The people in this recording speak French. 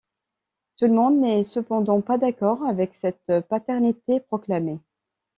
Tout le monde n'est cependant pas d'accord avec cette paternité proclamée.